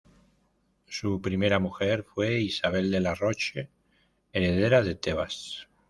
Su primera mujer fue Isabel de la Roche, heredera de Tebas.